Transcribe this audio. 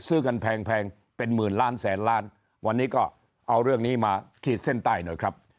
ซื้อกันแพงเป็นหมื่นล้านแสนล้านวันนี้ก็เอาเรื่องนี้มาขีดเส้นใต้หน่อยครับ